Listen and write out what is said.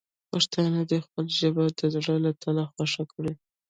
پښتانه دې خپله ژبه د زړه له تله خوښه کړي.